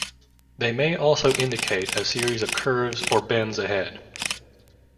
They may also indicate a series of curves or bends ahead.